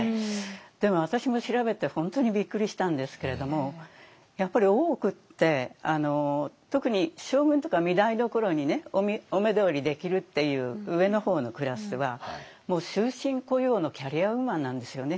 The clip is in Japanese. でも私も調べて本当にびっくりしたんですけれどもやっぱり大奥って特に将軍とか御台所にお目通りできるっていう上の方のクラスはもう終身雇用のキャリアウーマンなんですよね。